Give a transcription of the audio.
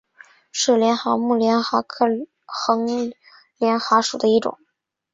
是帘蛤目帘蛤科横帘蛤属的一种。